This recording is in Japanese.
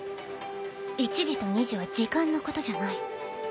１時と２時は時間のことじゃない。